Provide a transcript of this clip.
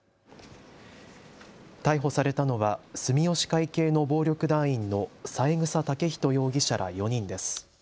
逮捕されたのは住吉会系の暴力団員の三枝丈人容疑者ら４人です。